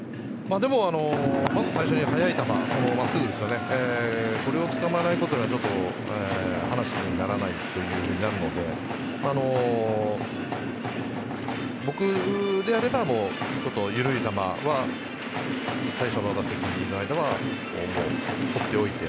でもまず最初に速い球真っすぐをつかまえないことには話にならないということになるので僕であれば緩い球は最初の打席においては振っておいて